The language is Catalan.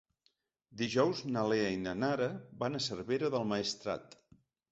Dijous na Lea i na Nara van a Cervera del Maestrat.